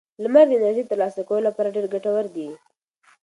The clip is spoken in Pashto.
لمر د انرژۍ د ترلاسه کولو لپاره ډېر ګټور دی.